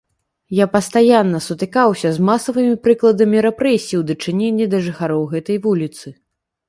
Я пастаянна сутыкаўся з масавымі прыкладамі рэпрэсій у дачыненні да жыхароў гэтай вуліцы.